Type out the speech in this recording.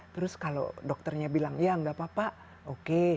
terus kalau dokternya bilang ya enggak papa oke